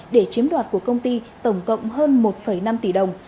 để chiếm đoạt của công ty tổng cộng hơn một năm tỷ đồng